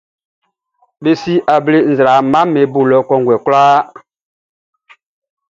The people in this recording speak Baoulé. Be si able nzraamaʼm be bo lɔ kɔnguɛ kwlaa.